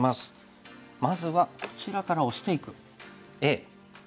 まずはこちらからオシていくＡ。